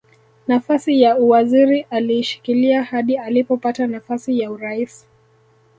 Nafasi ya uwaziri aliishikilia hadi alipopata nafasi ya urais